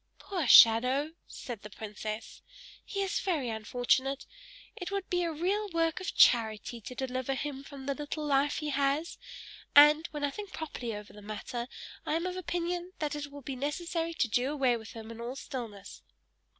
"Poor shadow!" said the princess. "He is very unfortunate; it would be a real work of charity to deliver him from the little life he has, and, when I think properly over the matter, I am of opinion that it will be necessary to do away with him in all stillness!"